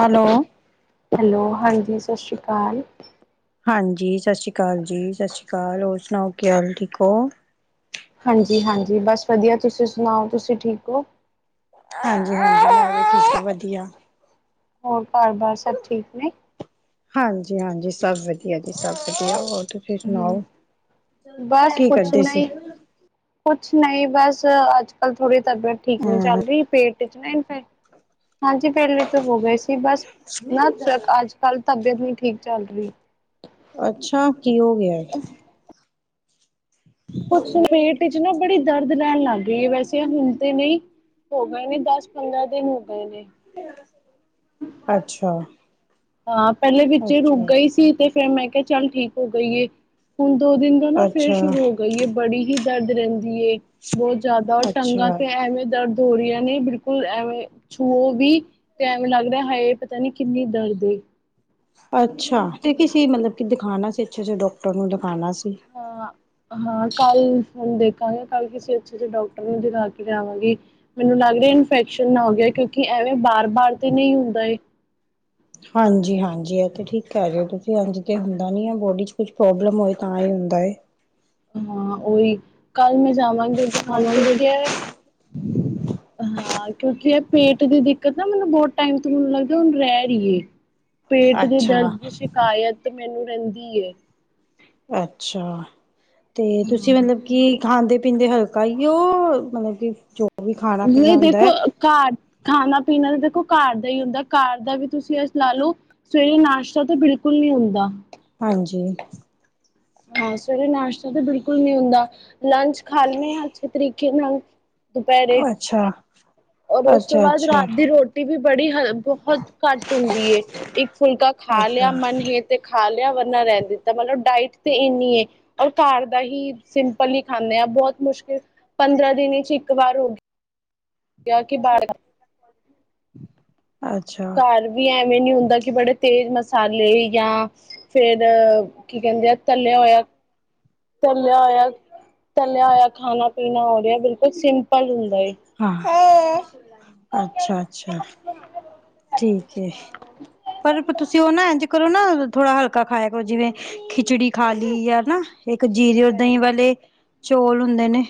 Hello hello, ਹਾਂਜੀ ਸਤਿ ਸ੍ਰੀ ਅਕਾਲ। ਹਾਂਜੀ, ਸਤਿ ਸ਼੍ਰੀ ਅਕਾਲ ਜੀ, ਸਤਿ ਸ਼੍ਰੀ ਅਕਾਲ, ਹੋਰ ਸੁਣਾਓ ਕੀ ਹਾਲ ਠੀਕ ਹੋ? ਹਾਂਜੀ-ਹਾਂਜੀ, ਬਸ ਵਧੀਆ, ਤੁਸੀਂ ਸੁਣਾਓ ਤੁਸੀਂ ਠੀਕ ਓ? ਹਾਂਜੀ-ਹਾਂਜੀ, ਠੀਕ, ਵਧੀਆ। ਹੋਰ, ਘਰ-ਬਾਰ ਸਭ ਠੀਕ ਨੇ? ਹਾਂਜੀ-ਹਾਂਜੀ ਸਭ ਵਧੀਆ ਜੀ, ਸਭ ਵਧੀਆ, ਹੋਹ? ਹੂੰ, ਬਸ ਕੀ ਕੁਛ ਕਰਦੇ ਸੀ ਨਹੀ। ਕੁਛ ਨਹੀਂ ਬਸ, ਅੱਜ-ਕਲ ਥੋੜ੍ਹੀ ਤਬੀਅਤ ਠੀਕ ਨਹੀਂ ਹਮ ਚੱਲ ਰਹੀ, ਪੇਟ ਨਹੀਂ ਫੇਰ, ਹਾਂਜੀ ਵਿਹਲੇ ਤੇ ਹੋਗੇ ਸੀ ਬਸ, ਨਾ ਅੱਜ ਕੱਲ ਤਕ ਦੇਖਨੀ ਠੀਕ ਚਲ ਰਹੀ ਅੱਛਾ ਕੀ ਹੋ ਗਿਆ ਹੈ ਕੁਛ ਨੀ ਪੇਟ 'ਚ ਨਾ ਬੜੀ ਦਰਦ ਰਹਿਣ ਲੱਗ ਗਈ ਵੈਸੇ ਹੁਣ ਤੇ ਨਹੀਂ ਹੋ ਗਏ ਨੇ ਦਸ ਪੰਦਰਾਂ ਦਿਨ ਹੋ ਗਏ ਨੇ ਅੱਛਾ ਹਾਂ ਪਹਿਲੇ ਵਿੱਚ ਰੁਕ ਅੱਛਾ ਗਈ ਸੀ ਤੇ ਫੇਰ ਮੈਂ ਕਿਹਾ ਚੱਲ ਠੀਕ ਹੋ ਗਈ ਏ ਹੁਣ ਦੋ ਦਿਨ ਉਹ ਨਾ ਫਿਰ ਅੱਛਾ ਸ਼ੁਰੂ ਹੋ ਗਈ ਬੜੀ ਹੀ ਦਰਦ ਰਹਿੰਦੀ ਏ ਬਹੁਤ ਜ਼ਿਆਦਾ ਟੰਗਾ ਅੱਛਾ ਤੇ ਐਵੇਂ ਦਰਦ ਹੋ ਰਹੀਆਂ ਨੇ ਬਿਲਕੁਲ ਐਵੇਂ ਛੂਹੋ ਵੀ ਤੇ ਐਵੇਂ ਲੱਗ ਰਿਹਾ ਹਾਏ ਪਤਾ ਨੀ ਕਿੰਨੀ ਦਰਦ ਤੇ ਅੱਛਾ ਤੇ ਕਿਸੀ ਮਤਲਬ ਦਿਖਾਉਣਾ ਸੀ ਅੱਛੇ ਜਿਹੇ ਡੋਕਟਰ ਨੂੰ ਦਿਖਾਉਣਾ ਸੀ ਹਾਂ ਹ ਹਾਂ ਕਲ ਹੁਣ ਦੇਖਾਂਗੇ ਕਲ ਕਿਸੀ ਅੱਛੇ ਜਿਹੇ ਡੋਕਟਰ ਨੂੰ ਦਿਖਾ ਕੇ ਲਿਆਵਾਂਗੀ ਮੈਨੂੰ ਲੱਗ ਰਿਹਾ ਇਨਫੈਕਸ਼ਨ ਨਾ ਹੋ ਗਿਆ ਕਿਉਂਕਿ ਐਵੇਂ ਬਾਰ, ਬਾਰ ਤੇ ਨਹੀਂ ਹੁੰਦਾ ਇਹ ਹਾਂਜੀ, ਹਾਂਜੀ ਐ ਤੇ ਠੀਕ ਕਹਿ ਰਹੇ ਤੁਸੀਂ ਇੰਜ ਤਾਂ ਹੁੰਦਾ ਨਹੀਂ ਹੈ ਬੋਡੀ 'ਚ ਕੁਛ ਪ੍ਰੋਬਲਮ ਹੋਏ ਤਾਂ ਹੀ ਹੁੰਦਾ ਏ ਹਾਂ ਉਹੀ ਕਲ ਮੈਂ ਜਾਵਾਂਗੀ ਦਿਖਾਨ ਹੈ ਕਿਉਂਕਿ ਐ ਹਾਂ ਕਿਉਂਕਿ ਇਹ ਪੇਟ ਦੀ ਦਿੱਕਤ ਨਾ ਮੈਂਨੂੰ ਬਹੁਤ ਟਾਈਮ ਤੋਂ ਮੈਨੂੰ ਲੱਗਦਾ ਹੁਣ ਰਹਿ ਰਹੀ ਏ ਪੇਟ ਦੇ ਅੱਛਾ ਦਰਦ ਦੀ ਸ਼ਿਕਾਇਤ ਮੈਨੂੰ ਰਹਿੰਦੀ ਏ ਅੱਛਾ ਤੇ ਤੁਸੀਂ ਹਾਂ ਮਤਲਬ ਕੀ ਖਾਂਦੇ ਪੀਂਦੇ ਹ ਗਾਈਓ ਮਤਲਬ ਕਿ ਚੁੱਪ ਨਹੀ ਦੇਖੋ ਅ ਘਰ ਖਾਣਾ ਪੀਣਾ ਤਾਂ ਦੇਖੋ ਘਰ ਦਾ ਹੀ ਹੁੰਦਾ ਘਰ ਦਾ ਵੀ ਤੁਸੀਂ ਇਸ ਲਾ ਲਓ ਸਵੇਰੇ ਨਾਸ਼ਤਾ ਤਾਂ ਬਿਲਕੁਲ ਨੀ ਹੁੰਦਾ ਹਾਂਜੀ ਹਾਂ ਸਵੇਰੇ ਨਾਸ਼ਤਾ ਤਾਂ ਬਿਲਕੁਲ ਨੀ ਹੁੰਦਾ ਲੰਚ ਖਾਂਦੇ ਆ ਅੱਛੇ ਤਰੀਕੇ ਨਾਲ ਦੁਪਹਿਰੇ ਅੱਛਾ ਔਰ ਉਸ ਤੋਂ ਅੱਛਾ ਬਾਅਦ ਅੱਛਾ ਰਾਤ ਦੀ ਰੋਟੀ ਵੀ ਬੜੀ ਹ ਬਹੁਤ ਘੱਟ ਹੁੰਦੀ ਏ ਇੱਕ ਫੁਲਕਾ ਖਾ ਲਿਆ ਅੱਛਾ ਮਨ ਹੇ ਤੇ ਖਾ ਲਿਆ ਵਰਨਾ ਰਹਿਣ ਦਿੱਤਾ ਮਤਲਬ ਡਾਇਟ ਤੇ ਇੰਨੀਏ ਔਰ ਘਰ ਦਾ ਹੀ ਸਿੰਪਲ ਹੀ ਖਾਂਦੇ ਹਾਂ ਬਹੁਤ ਮੁਸ਼ਕਿਲ ਪੰਦਰਾਂ ਦਿਨ 'ਚ ਇੱਕ ਵਾਰ ਹੋ ਕਿਹਾ ਕਿ ਬਾਹਰ ਦਾ [inaudible] ਘਰ ਵੀ ਐਵੇਂ ਨਹੀ ਹੁੰਦਾ ਕਿ ਬੜੇ ਤੇਜ਼ ਮਸਾਲੇ ਜਾਂ ਫਿਰ ਕੀ ਕਹਿੰਦੇ ਆ ਤੱਲਿਆ ਹੋਇਆ ਤੱਲਿਆ ਹੋਇਆ ਤਲਿਆ ਹੋਇਆ ਖਾਣਾ ਪੀਣਾ ਹੋ ਰਿਹਾ ਬਿਲਕੁਲ ਸਿੰਪਲ ਹੁੰਦਾ ਏ ਹਾਂ ਅੱਛਾ ਅੱਛਾ ਠੀਕ ਹੈ ਪਰ ਤੁਸੀਂ ਉਹ ਨਾ ਐਂਝ ਕਰੋ ਨਾ ਥੋੜਾ ਹਲਕਾ ਖਾਇਆ ਕਰੋ ਜਿਵੇਂ ਖਿਚੜੀ ਖਾ ਲਈ ਜਾ ਨਾ ਇੱਕ ਜੀਰੀਓ ਦਹੀਂ ਵਾਲੇ ਚੌਲ ਹੁੰਦੇ ਨੇ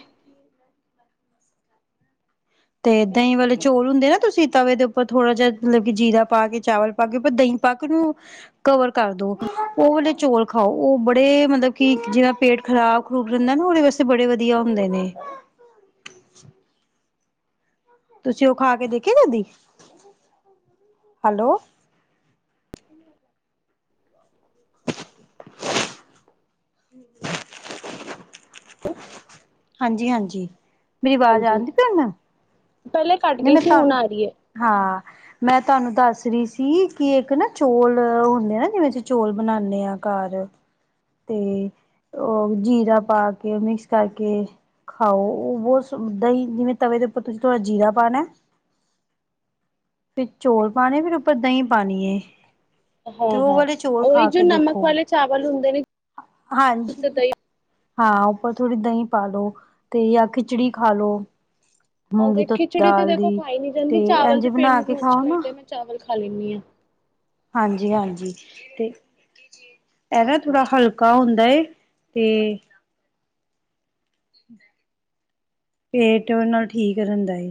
ਤੇ ਦਹੀਂ ਵਾਲੇ ਚੋਲ ਹੁੰਦੇ ਤੁਸੀਂ ਤਵੇ ਦੇ ਉੱਪਰ ਥੋੜ੍ਹਾ ਜਿਹਾ ਮਤਲਬ ਕਿ ਜੀਰਾ ਪਾ ਕੇ ਚਾਵਲ ਪਾ ਕੇ ਅਪਾਂ ਦਹੀਂ ਪਾਕ ਨੂੰ ਕਵਰ ਕਰ ਦੋ ਉਹ ਵਾਲੇ ਚੌਲ ਖਾਓ ਉਹ ਬੜੇ ਮਤਲਬ ਕਿ ਜਿਵੇਂ ਪੇਟ ਖ਼ਰਾਬ ਖਰੂਬ ਰਹਿੰਦਾ ਨਾ ਉਹਦੇ ਵਾਸਤੇ ਬੜੇ ਵਧੀਆ ਹੁੰਦੇ ਨੇ ਤੁਸੀਂ ਉਹ ਖਾ ਕੇ ਦੇਖੇ ਕਦੀ ਹੈਲੋ [inaudible] [inaudible] ਹਾਂਜੀ-ਹਾਂਜੀ ਮੇਰੀ ਆਵਾਜ਼ ਆ ਹਾਂਜੀ ਦੀ ਤੁਹਾਨੂੰ? ਪਹਿਲੇ ਕੱਟ ਗਈ ਸੀ ਹੁਣ ਆ ਰੀ ਏ। ਹਾਂ। ਮੈਂ ਤੁਹਾਨੂੰ ਦੱਸ ਰੀ ਸੀ ਕਿ ਇੱਕ ਨਾ ਚੋਲ ਹੁੰਦੇ ਨਾ ਜਿਵੇਂ ਅਸੀਂ ਚੋਲ ਬਣਾਨੇ ਆ ਘਰ 'ਤੇ ਓ ਜੀਰਾ ਪਾ ਕੇ, ਮਿਕਸ ਕਰਕੇ ਖਾਓ ਓ ਬੋ ਸੋ ਦਈ ਜਿਵੇਂ ਤਵੇ ਦੇ ਉੱਪਰ ਤੁਸੀਂ ਥੋੜਾ ਜੀਰਾ ਪਾ ਨੈ ਫੇਰ ਚੌਲ ਪਾਣੇ ਫਿਰ ਉੱਪਰ ਦਈ ਪਾਨੀ ਏ। ਹਾਂ-ਹਾਂ ਉਈ ਜੋ ਨਮਕ ਦੇਖੋ ਵਾਲੇ ਚਾਵਲ ਹੁੰਦੇ ਨੇ। ਤੇ ਹਾਂਜੀ, ਦਹੀਂ ਹਾਂ ਉੱਪਰ ਥੋੜੀ ਦਈ ਪਾਲੋ 'ਤੇ ਜਾਂ ਖਿਚੜੀ ਖਾ ਲੋ। ਹਾਂ ਮੂੰਗੀ 'ਤੇ ਧੋਤੀ ਖਿਚੜੀ 'ਤੇ ਦਾਲ ਦੇਖੋ ਦੀ ਖਾਈ ਨੀ ਜਾਂਦੀ ਚਾਵਲ ਇੰਝ 'ਤੇ ਫੇਰ ਬਣਾ ਕੇ ਮੈਨੂੰ ਅੱਛੇ ਖਾਓ ਨਾ ਲੱਗਦੇ ਮੈਂ ਚਾਵਲ ਖਾਂ ਲੈਂਨੀ ਆ। ਹਾਂਜੀ-ਹਾਂਜੀ 'ਤੇ ਐਗਾ ਥੋੜਾ ਹਲਕਾ ਹੁੰਦਾ ਏ 'ਤੇ ਪੇਂਟ ਨਾਲ ਠੀਕ ਰਹਿੰਦਾ ਏ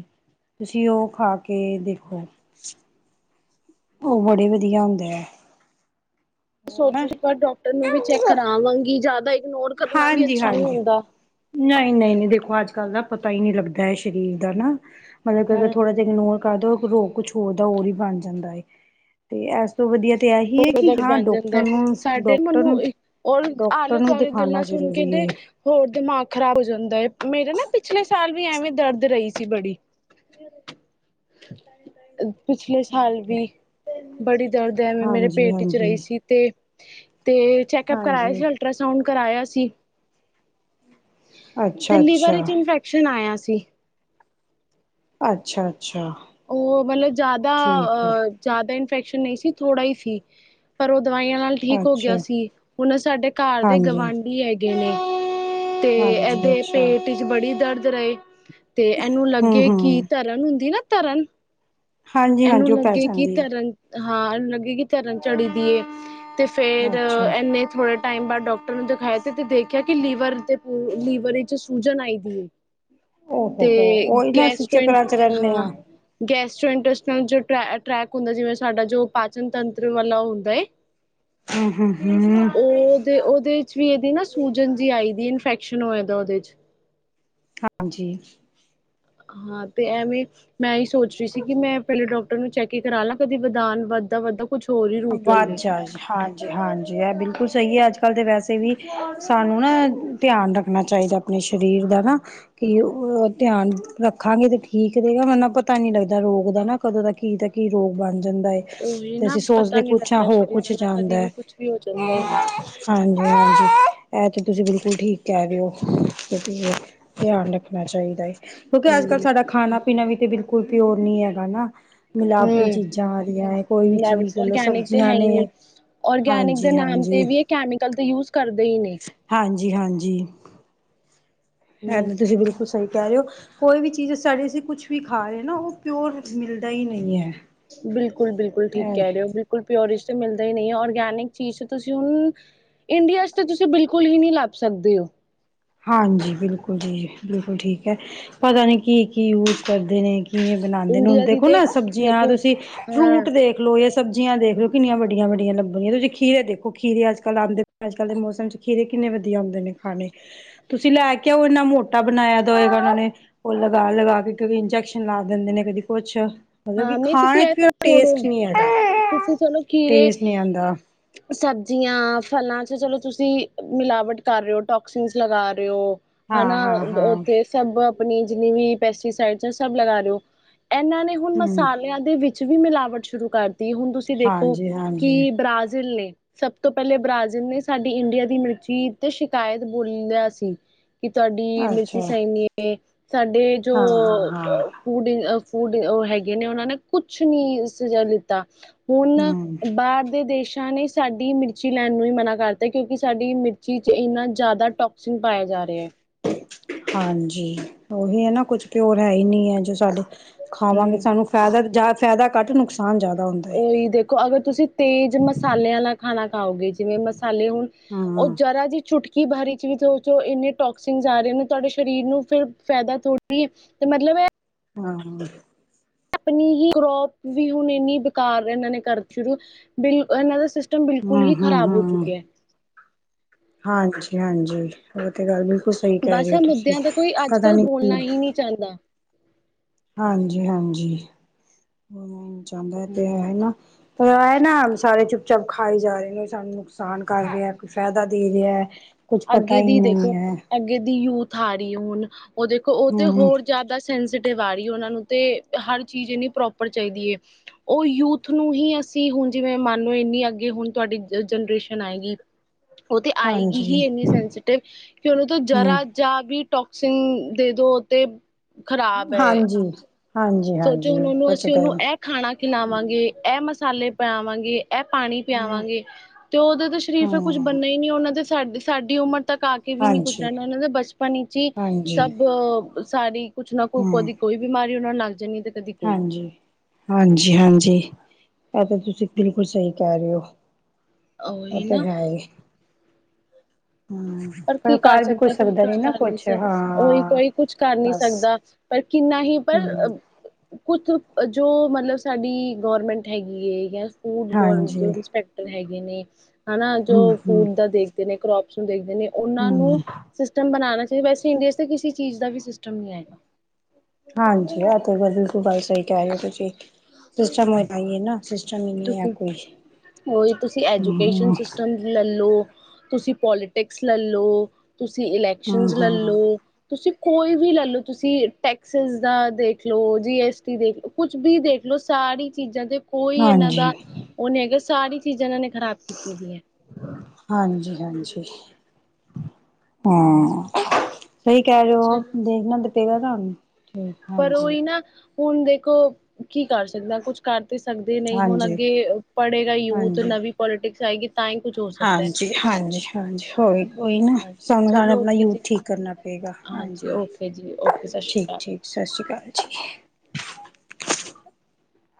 ਤੁਸੀਂ ਓ ਖਾ ਕੇ ਦੇਖੋ। ਓ ਬੜੇ ਵਧੀਆ ਹੁੰਦੈ। ਸੋਚੋ ਸੀ ਪਰ ਡਾਕਟਰ ਨੂੰ ਵੀ ਚੈੱਕ ਕਰਾਂ ਆਵਾਂਗੀ ਜਿਆਦਾ ਇਗਨੋਰ ਕਰਨਾ ਵੀ ਅੱਛਾ ਨੀ ਹਾਂਜੀ-ਹਾਂਜੀ। ਹੁੰਦਾ। ਨਈ-ਨਈ-ਨਈ ਦੇਖੋ ਅੱਜ-ਕੱਲ ਦਾ ਪਤਾ ਈ ਨੀ ਲੱਗਦਾ ਐ ਸਰੀਰ ਦਾ ਨਾ ਮਤਲਬ ਕਿ ਅਗਰ ਹਾਂ ਥੋੜਾ ਜਾ ਇਗਨੋਰ ਕਰਦਾ ਰੋ ਕੁਛ ਹੋਰ ਦਾ ਹੋਰ ਈ ਬਣ ਜਾਂਦਾ ਏ। 'ਤੇ ਐਸ ਤੋਂ ਵਧੀਆ 'ਤੇ ਐਹੀ ਏ ਕਿ ਬਹੁਤ ਹਾਂ ਬਣ ਡਾਕਟਰ ਜਾਂਦਾ ਨੂੰ, ਸਾਡੇ ਡਾਕਟਰ ਮੈਨੂੰ ਨੂੰ, ਔਰ ਡਾਕਟਰ ਆਲੇ ਨੂੰ ਦਿ ਦੁਆਲੇ ਗੱਲਾਂ ਖਾਣਾ ਸੁਣ ਕੇ ਜ਼ਰੂਰੀ ਤੇ ਏ। ਹੋਰ ਦਿਮਾਗ ਖ਼ਰਾਬ ਹੋ ਜਾਂਦਾ ਏ ਮੇਰੇ ਨਾ ਪਿਛਲੇ ਸਾਲ ਵੀ ਐਵੇਂ ਦਰਦ ਰਈ ਸੀ ਬੜੀ। [inaudible] [inaudible] ਪਿਛਲੇ ਸਾਲ ਹੈ ਵੀ, ਬੜੀ ਦਰਦ ਐਵੇਂ ਮੇਰੇ ਹਾਂਜੀ ਪੇਂਟ 'ਚ ਹਾਂਜੀ ਰਈ ਸੀ। ਤੇ, ਤੇ ਚੈੱਕਅਪ ਕਰਾਇਆ ਹਾਂਜੀ ਸੀ, ਅਲਟਰਾਸਾਊਡ ਕਰਾਇਆ ਸੀ। 'ਤੇ ਅੱਛਾ ਲਿਵਰ ਅੱਛਾ ਵਿੱਚ ਇੰਨਫੈਕਸ਼ਨ ਆਇਆ ਸੀ। ਅੱਛਾ-ਅੱਛਾ। ਓ ਮਤਲਬ ਜਿਆਦਾ ਅ ਜਿਆਦਾ ਇਨਫੈਕਸ਼ਨ ਨਈ ਸੀ ਥੋੜਾ ਈ ਸੀ, ਪਰ ਓ ਦਵਾਈਆਂ ਨਾਲ ਠੀਕ ਹੋ ਗਿਆ ਅੱਛਾ ਸੀ ਹੁਣ ਸਾਡੇ ਘਰ ਦੇ ਹਾਂਜੀ ਗਵਾਂਢੀ ਐ ਗੇ ਨੇ 'ਤੇ ਹਾਂਜੀ ਐਦੇ ਅੱਛਾ ਪੇਂਟ 'ਚ ਬੜੀ ਦਰਦ ਰਏ 'ਤੇ ਐਨੂੰ ਹਮ ਲੱਗੇ ਕਿ ਹਮ ਤਰਨ ਹੁੰਦੀ ਨਾ ਤਰਨ ਹਾਂਜੀ ਏਨੂੰ ਹਾਂਜੀ ਉਹ ਪੈ ਲੱਗੇ ਕਿ ਜਾਂਦੀ ਤਰਨ ਹਾਂ ਏਨੂੰ ਲੱਗੇ ਕਿ ਤਰਨ ਚੜ ਦੀ ਏ 'ਤੇ ਹੈ ਫੇਰ ਅੱਛਾ ਏਨੇ ਥੋੜਾ ਟਾਈਮ ਬਾਅਦ ਡਾਕਟਰ ਨੂੰ ਦਿਖਾਇਆ 'ਤੇ-ਤੇ ਦੇਖਿਆ ਕਿ ਲੀਵਰ 'ਤੇ ਪੂ ਲੀਵਰ ਵਿਚ ਸੂਜਨ ਆਈ ਦੀ ਏ। ਓ ਹੋ 'ਤੇ ਹੋ ਉਹੀ ਨਾ ਅਸੀਂ ਗੈਸਟ੍ਰੋਇਨ, ਚੱਕਰਾਂ ਚ ਰਹਿੰਦੇ ਹਾਂ ਗੈਸਟ੍ਰੋਇਟ ਫਿਨ ਜੋ ਟ੍ਰ ਟਰੈਕ ਹੁੰਦਾ ਜਿਵੇਂ ਸਾਡਾ ਜੋ ਪਾਚਨ ਤੰਤਰ ਵਾਲਾ ਹੁੰਦਾ ਏ ਹੂੰ-ਹੂੰ-ਹੂੰ। 'ਤੇ ਉਦੇ ਵਿੱਚ ਵੀ ਏਦੇ ਨਾ ਸੂਜਨ ਜੀ ਆਈ ਦੀ ਏ, ਇਨਫੈਕਸ਼ਨ ਹੋਏ ਦਾ ਉਦੇ 'ਚ‌। ਹਾਂਜੀ। ਹਾਂ 'ਤੇ ਐਵੇਂ ਮੈਂ ਏਈ ਸੋਚ ਰੀ ਸੀ ਕਿ ਮੈਂ ਪਹਿਲੇ ਡਾਕਟਰ ਨੂੰ ਚੈ ਕੇ ਕਰਾਲਾ ਕਦੇ ਵਦਾਨ ਵੱਧਦਾ-ਵੱਧਦਾ ਵੱਧ ਜਾਏ ਹਾਂ। ਹਾਂਜੀ ਐ ਬਿਲਕੁੱਲ ਸਈ ਐ ਅੱਜ-ਕੱਲ 'ਤੇ ਵੈਸੇ ਵੀ ਸਾਨੂੰ ਨਾ ਧਿਆਨ ਰੱਖਣਾ ਚਾਈਦਾ। ਆਪਣੇ ਸਰੀਰ ਦਾ ਨਾ ਹਾਂ। ਕਿ ਓ ਧਿਆਨ ਰੱਖਾਂਗੇ ਤਾਂ ਠੀਕ ਰਹੇਗਾ ਵਰਨਾਂ ਪਤਾ ਨੀ ਲੱਗਦਾ ਰੋਗ ਦਾ ਨਾ ਕਦੋਂ ਦਾ ਕੀ ਦਾ ਕੀ ਰੋਗ ਬਣ ਜਾਂਦਾ ਏ ਉਹੀ ਨਾ ਪਤਾ ਨੀ ਲੱਗਦਾ ਸਰੀਰਾਂ ਨਾਲ ਕਦੀ ਜਾਂਦਾ ਵੀ ਹੈ ਕੁੱਛ ਵੀ ਹੋ ਜਾਂਦਾ ਏ। ਹਾਂਜੀ-ਹਾਂਜੀ, ਐਹ ਤੇ ਤੁਸੀਂ ਬਿਲਕੁਲ ਠੀਕ ਕਹਿ ਰੇ ਓ ਧਿਆਨ ਰੱਖਣਾ ਚਾਹੀਦਾ ਏ। ਕਿਉਂਕਿ ਅੱਜ-ਕੱਲ ਸਾਡਾ ਖਾਣਾਂ ਪੀਨਾ ਵੀ ਤੇ ਬਿਲਕੁਲ ਪਿਓਰ ਨੀ ਹੈਗਾ ਨਾ। ਮਿਲਾਵਟੀ ਹੂੰ ਚੀਜ਼ਾਂ ਆ ਰਹੀਆਂ ਐ, ਕੋਈ ਵੀ ਲੈਬ ਚੀਜ਼ ਲੈ ਲਓ ਔਰਗੈਨਿਕ ਤੇ ਸਬਜ਼ੀਆਂ ਹੈ ਈ ਨੀ ਨੇ ਔਰਗੈਨਿਕ ਦੇ ਨਾਮ ਤੇ ਹਾਂਜੀ-ਹਾਂਜੀ ਵੀ ਇਹ ਕੈਮੀਕਲ ਤੇ ਯੂਸ ਕਰਦੇ ਈ ਨੇ। ਹਾਂਜੀ-ਹਾਂਜੀ। ਐਹ ਹੂੰ ਤੇ ਤੁਸੀਂ ਬਿਲਕੁਲ ਸ ਸਈ ਕਹਿ ਰਹੇ ਓ ਕੋਈ ਵੀ ਚੀਜ਼ ਸਾਡੇ ਅਸੀਂ ਕੁਛ ਵੀ ਖਾ ਰਹੇ ਨਾ ਉਹ ਪਿਓਰ ਮਿਲਦਾ ਈ ਨਹੀਂ ਐ। ਬਿਲਕੁਲ ਬਿਲਕੁਲ ਠੀਕ ਕਹਿ ਰਹੇ ਓ ਬਿਲਕੁਲ ਪਿਓਰਸ਼ ਤੇ ਮਿਲਦਾ ਈ ਨਈ ਐ ਔਰਗੈਨਿਕ ਚੀਜ਼ ਤੁਸੀਂ ਹੁਣ ਇੰਡੀਆ ਚ ਤਾਂ ਤੁਸੀਂ ਬਿਲਕੁਲ ਈ ਹੀ ਨੀ ਲੱਭ ਸਕਦੇ ਔ। ਹਾਂਜੀ ਬਿਲਕੁਲ ਜੀ ਬਿਲਕੁਲ ਠੀਕ ਐ ਪਤਾ ਨਹੀਂ ਕੀ-ਕੀ ਯੂਸ ਕਰਦੇ ਨੇ। ਕੀ ਬਣਾਦੇ ਨੇਂ ਹੁਣ ਇੰਡੀਆ ਦੀ ਦੇਖੋਂ ਤੇ ਨਾ ਸਬਜ਼ੀਆਂ ਅ ਦੇਖੋ ਤੁਸੀਂ ਹਾਂ ਫਰੂਟ ਦੇਖ ਦੇਖ ਲੋ, ਜਾਂ ਸਬਜ਼ੀਆਂ ਦੇਖ ਲਓ ਕਿਨੀਆਂ ਵੱਡੀਆਂ ਵੱਡੀਆਂ ਲੱਭਣੀਆਂ ਤੁਸੀਂ ਖੀਰੇ ਦੇਖੋ ਖੀਰੇ ਅੱਜ-ਕੱਲ ਆਦੇ ਅੱਜ-ਕੱਲ ਦੇ ਮੌਸਮ ਚ ਖੀਰੇ ਕਿੰਨੇ ਵਧੀਆ ਹੁੰਦੇ ਨੇ ਖਾਂੜੇ। ਤੁਸੀਂ ਲੈ ਕੇ ਆਓ ਇੰਨਾ ਮੋਟਾ ਬਣਾਇਆ ਦਾ ਹੋਏਗਾ ਉਹਨਾਂ ਨੇ ਉਹ ਲਗਾ -ਲਗਾ ਕੇ ਕਬੀ ਇੰਨਜੈਕਸ਼ਨ ਲਾ ਦਿੰਦੇਂ ਨੇ ਕਦੀ ਕੁੱਛ। ਮਤਲਬ ਕੀ ਹਾਂ ਨਹੀਂ ਖਾਣ ਤੁਸੀਂ ਵਿਚ ਇਹ ਵੀ ਓ ਸਭ ਟੇਸਟ ਛੋੜੋ ਨੀ ਹੈਗਾ। ਟੇਸਟ ਨੀ ਆਂਦਾ। ਸਬਜ਼ੀਆ, ਫਲਾਂ ਚ ਚਲੋ ਤੁਸੀਂ ਮਿਲਾਵਟ ਕਰ ਰਹੇ ਓ ਟੋਕਸੀਨਸ ਲਗਾ ਰਹੇ ਓ ਹਨਾ ਹਾਂ-ਹਾਂ-ਹਾਂ ਉੱਥੇ ਸ ਸਭ ਆਪਣੀ ਜਿੰਨੀ ਵੀ ਪੈਸਟੀਸਾਈਡ ਸਭ ਲਗਾ ਦਿਓ, ਇਹਨਾਂ ਨੇ ਹੁਣ ਹੂੰ ਮਸਾਲਿਆਂ ਦੇ ਵਿੱਚ ਵੀ ਮਿਲਾਵਟ ਸ਼ੁਰੂ ਕਰਤੀ, ਹੁਣ ਤੁਸੀਂ ਦੇਖੋ ਹਾਂਜੀ-ਹਾਂਜੀ ਕਿ ਬ੍ਰਾਜ਼ੀਲ ਨੇ ਸਭ ਤੋਂ ਪਹਿਲੇ ਬ੍ਰਾਜ਼ਿਲ ਨੇ ਸਾਡੀ ਇੰਡੀਆ ਦੀ ਮਿਰਚੀ ਤੇ ਸ਼ਿਕਾਇਤ ਬੋਲਿ ਆ ਸੀ। ਕਿ ਤੁਹਾਡੀ ਮਿਰਚੀ ਅੱਛਾ ਸਹੀ ਨੀ ਏਂ, ਸਾਡੇ ਜੋ ਹਾਂ ਹਾਂ ਹਾਂ ਫੂਡ ਇਨ ਫੂਡ ਓ ਹੈਗੇ ਨੇ ਉਹਨਾਂ ਨੇ ਕੁੱਛ ਨੀ ਸਜ਼ਾ ਦਿੱਤਾ। ਹੁਣ ਹਮ ਬਾਹਰ ਦੇ ਦੇਸ਼ਾਂ ਨੇ ਸਾਡੀ ਮਿਰਚੀ ਲੈਣ ਨੂੰ ਵੀ ਮਨਾ ਕਰਤਾ ਕਿਉਂਕਿ ਸਾਡੀ ਮਿਰਚੀ ਚ ਇੰਨਾ ਜ਼ਿਆਦਾ ਟੋਕਸੀਨ ਪਾਇਆ ਜਾ ਰਿਹਾ ਐ। ਹਾਂਜੀ, ਓਹੀ ਐ ਨਾ ਕੁੱਝ ਪਿਓਰ ਹੈ ਈ ਨੀ ਐ ਜੀ ਸਾਡੇ ਖਾਵਾਂਗੇ ਹੂੰ। ਸਾਨੂੰ ਫਾਇਦਾ ਜ਼ਦਾ ਫਾਇਦਾ ਘੱਟ ਨੁਕਸਾਨ ਜ਼ਿਆਦਾ ਹੁੰਦਾ ਏ। ਓਹੀ ਦੇਖੋ ਅਗਰ ਤੁਸੀਂ ਤੇਜ਼ ਮਸਾਲਿਆਂ ਆਲਾ ਖਾਣਾ ਖਾਓਗੇ ਜਿਵੇਂ ਮਸਾ ਮਸਾਲੇ ਹੁਣ ਉਹ ਹਮ ਜਰਾ ਜੀ ਚੁਟਕ ਕੀ ਬਰੀ ਚੀਜ਼ ਉਹ ਚੋ ਇਨੇ ਟੋਕਸੀਨ ਆ ਰਹੇਂ ਨੇ, ਤੁਹਾਡੇ ਸ਼ਰੀਰ ਨੂੰ ਫੇਰ ਫਾਇਦਾ ਥੋੜ੍ਹੀ ਏ ਤੇ ਮਤਲਬ ਐਹ ਹਾਂ। ਆਪਣੀ ਹੀ ਕਰੋਪ ਵੀ ਹੁਣ ਏਨੀ ਬੇਕਾਰ ਇਹਨਾਂ ਨੇ ਕਰ ਸ਼ੁਰੂ ਬਿਲ ਇਹਨਾਂ ਦਾ ਸਿਸਟਮ ਸਿਸਟਮ ਬਿਲਕੁਲ ਹਮ ਹੀ ਖ਼ਰਾਬ ਹੋ ਚੁੱਕਿਆ ਐ। ਹਾਂਜੀ-ਹਾਂਜੀ ਉਹ ਤੇ ਗੱਲ ਬਿਲਕੁਲ ਸਹੀ ਕਹਿ ਬਸ ਰਹੇ ਓ ਤੁਸੀਂ, ਪਤਾ ਨੀ ਕੀ ਚਾਰਦਾ ਹਾਂਜੀ-ਹਾਂਜੀ, ਉਹ ਚਾਹਦਾ ਤੇ ਹੂੰ। ਹੈਨਾ। ਵੈਹੇ ਨਾ ਸਾਰੇ ਚੁੱਪ-ਚਾਪ ਖਾਈ ਜਾ ਰਹੇ ਨੇ, ਸਾਨੂੰ ਨੁਕਸਾਨ ਕਰ ਰਿਆ ਕੋਈ ਫਾਇਦਾ ਦੇ ਰਿਆ ਐ। ਕੁੱਛ ਪਤਾਂ ਅੱਗੇ ਈ ਦੀ ਦੇਖੋ ਨਹੀ ਐ। ਅੱਗੇ ਦੀ ਯੂਥ ਆ ਰਹੀ ਏ ਹੁਣ ਉਹ ਦੇਖੋ ਉਹ ਤੇ ਹਮ ਹੋਰ ਜ਼ਿਆਦਾ ਸੈਂਸਟਿਵ ਆ ਰਹੀ ਉਹਨਾਂ ਨੂੰ ਤੇ ਹਰ ਚੀਜ਼ ਇਹਨੀ ਪ੍ਰੋਪਰ ਚਾਹੀਦੀ ਏ। ਉਹ ਯੂਥ ਨੂੰ ਹੀ ਅਸੀਂ ਹੁਣ ਜਿਵੇਂ ਮੰਨ ਲੋ ਇੰਨੀ ਅੱਗੇ ਹੁਣ ਤੁਹਾਡੀ ਜਨਰੇਸ਼ਨ ਆਏਗੀਂ। ਉਹ ਤੇ ਆਏਗੀ ਹਾਂਜੀ ਹੀ ਇੰਨੀ ਸੈਂਸਟਿਵ ਕਿ ਉਹਨੂੰ ਤਾਂ ਹਮ ਜ਼ਰਾ ਜਾਂ ਵੀ ਟੋਕਸੀਨ ਦੇ ਦੋ ਤੇ ਖ਼ਰਾਬ ਹੈ। ਹਾਂਜੀ ਹਾਂਜੀ ਸੋਚੋ ਹਾਂਜੀ ਹੁਣ ਉਹਨੂੰ ਅਸੀਂ ਬਚਦਾ ਹੀ ਉਹਨੂੰ ਨੀ ਇਹ ਖਾਣਾ ਖਿਲਾਵਾਂਗੇ। ਇਹ ਮਸਾਲੇ ਪਿਆਵਾਂਗੇ ਇਹ ਪਾਣੀ ਹੂੰ ਪਿਆਵਾਂਗੇ। ਤੇ ਉਹਦਾ ਤਾਂ ਸਰੀਫ ਕੁੱਝ ਹੂੰ ਬਣਨਾ ਹੀ ਨਹੀਂ ਉਹਨਾਂ ਦੇ ਸਾ ਸਾਡੀ ਉਮਰ ਤੱਕ ਆ ਕੇ ਵੀ ਨੀ ਕੁਛ ਹਾਂਜੀ ਰਹਿਣਾ, ਉਹਨਾਂ ਦੇ ਬਚਪਨ ਵਿੱਚ ਹੀ ਹਾਂਜੀ ਸਭ ਸਾਰੀ ਕੁਛ ਨਾ ਕੁ ਕਦੀ ਕੋਈ ਬਿਮਾਰੀ ਉਹਨਾਂ ਨੂੰ ਲਗ ਜਾਣੀ। ਕਦੀ ਕੋਈ ਹਾਂਜੀ-ਹਾਂਜੀ-ਹਾਂਜੀ, ਇਹ ਤਾਂ ਤੁਸੀਂ ਬਿਲਕੁਲ ਸਹੀ ਕਹਿ ਰਹੇ ਹੋ। ਉਹ ਉਹੀ ਤੇ ਨਾ ਹੈ ਈ ਹੂੰ, ਪਰ ਕੀ ਕਰ ਸਕਦੇ, ਕੋਈ ਕੁਛ ਕਰ ਨੀ ਉਹੀ ਕੋਈ ਕੁਛ ਕਰ ਨੀ ਬਸ ਸਕਦਾ। ਪਰ ਕਿੰਨਾ ਹੀ ਪਰ ਹੂੰ ਕੁਛ ਜੋ ਮਤਲਬ ਸਾਡੀ ਗਰਮੈਂਟ ਹੈਗੀ ਹੈ ਜਾਂ ਫੂਡ ਗ ਹਾਂਜੀ ਇੰਸਪੈਕਟਰ ਹੈਗੇ ਨੇ ਹਨਾ ਜੋ ਹੂੰ ਹੂੰ ਫੂਡ ਦਾ ਦੇਖ ਨੇ ਕਰੋਪਸ ਨੂੰ ਦੇਖਦੇ ਨੇ ਉਹਨਾਂ ਨੂੰ ਹੂੰ ਸਿਸਟਮ ਬਣਾਣਾ ਚਾਹੀਦਾ, ਵੈਸੇ ਇੰਡੀਆ ਚ ਤੇ ਕਿਸੇ ਚੀਜ਼ ਦਾ ਵੀ ਸਿਸਟਮ ਨਹੀਂ ਹੈਗਾ। ਹਾਂਜੀ, ਤੇ ਬਿਲਕੁਬੱਲ ਗੱਲ ਸਹੀ ਕਹਿ ਰਹੇ ਹੋ ਤੁਸੀਂ ਸਿਸਟਮ ਹੋ ਏ ਤਾ ਈ ਏ ਨਾ। ਸਿਸਟਮ ਹੀ ਨਹੀਂ ਹੈ ਤੁਸੀਂ ਕੋਈ ਉਹੀ ਤੁਸੀਂ ਹੂੰ ਐਜੂਕੇਸ਼ਨ ਹੂੰ ਸਿਸਟਮ ਲੈਲੋ ਤੁਸੀਂ ਪੋਲੀਟਿਕਸ ਲੈਲੋ ਤੁਸੀਂ ਇਲੈਕਸ਼ਨ ਹੂੰ ਹੂੰ ਲੈਲੋ। ਤੁਸੀਂ ਕੋਈ ਵੀ ਲੈ ਲਓ, ਤੁਸੀਂ ਟੈਕਸਿਜ ਦਾ ਦੇਖ ਲੋ ਜੀ ਐਸਟੀ ਦੇਖ ਲਓ। ਕੁਛ ਵੀ ਦੇਖਲੋ, ਸਾਰੀ ਚੀਜ਼ਾਂ ਦੇ ਕੋਲ ਇਹਨਾਂ ਹਾਂਜੀ ਦਾ ਉਹ ਨੀ ਹੈਗਾ, ਸਾਰੀ ਚੀਜ਼ਾਂ ਇਹਨਾਂ ਨੇ ਖ਼ਰਾਬ ਕੀਤੀ ਦੀਆਂ। ਹਾਂਜੀ-ਹਾਂਜੀ, ਹਾਂਜੀ ਹਾਂ ਸਹੀ ਕਹਿ ਰੇ ਔ ਚਲੋ ਦੇਖਣਾ ਤੇ ਪਏਗਾ। ਠੀਕ ਪਰ ਹਾਂਜੀ ਉਹੀ ਨਾ ਹੁਣ ਦੇਖੋ, ਕੀ ਕਰ ਸਕਦੇਆ ਕੁਛ ਕਰ ਤੇ ਸਕਦੇ, ਨਹੀਂ ਹੁਣ ਹਾਂਜੀ ਅੱਗੇ ਪੜ੍ਹੇਗਾ ਯੂਥ ਨਵੀਂ ਪੋਲੀਟਿਕਸ ਆਏਗੀ ਤਾਂ ਹੀ ਕੁੱਛ ਹੋ- ਸਕਦਾ ਹੈ ਹਾਂਜੀ-ਹਾਂਜੀ-ਹਾਂਜੀ, ਹੋਰ ਕੋਈ ਨਾ ਹਾਂਜੀ ਸਾਨੂੰ ਸ ਚਲੋ ਆਪਣਾ ਓਕੇ ਯੂਥ ਜੀ ਠੀਕ ਕਰਨਾ ਪਏਗਾ ਹਾਂਜੀ ਓਕੇ ਜੀ ਓਕੇ ਸਤਿ ਸ਼੍ਰੀ ਅਕਾਲ ਠੀਕ-ਠੀਕ, ਸਤਿ ਸ਼੍ਰੀ ਅਕਾਲ ਜੀ।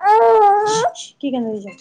ਆ ਕੀ ਕਹਿੰਦਾ